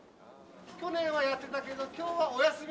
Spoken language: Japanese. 去年はやってたけど今日はお休みみたいです。